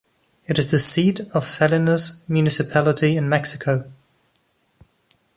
It is the seat of Salinas municipality in Mexico.